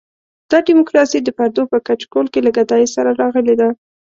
دا ډیموکراسي د پردو په کچکول کې له ګدایۍ سره راغلې ده.